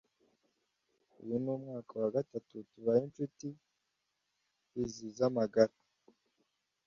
Uyu ni umwaka wa gatatu tubaye inshuti izi z’amagara.